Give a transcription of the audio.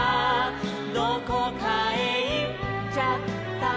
「どこかへいっちゃったしろ」